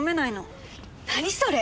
何それ！？